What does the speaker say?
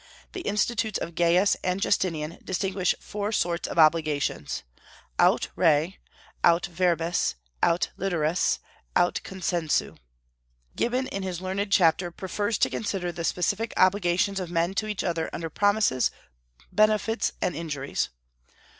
The Institutes of Gaius and Justinian distinguish four sorts of obligations, aut re, aut verbis, aut literis, aut consensu. Gibbon, in his learned chapter, prefers to consider the specific obligations of men to each other under promises, benefits, and injuries.